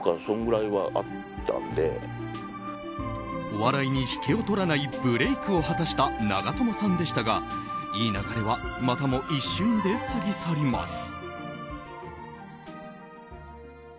お笑いに引けを取らないブレークを果たした長友さんでしたが、いい流れはまたも一瞬で過ぎ去ります。